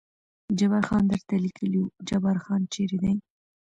جبار خان درته لیکلي و، جبار خان چېرې دی؟